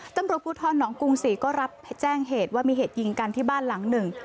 ตำรวจภูทรหนองกรุงศรีก็รับแจ้งเหตุว่ามีเหตุยิงกันที่บ้านหลังหนึ่ง